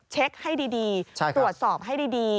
เช็คให้ดีตรวจสอบให้ดี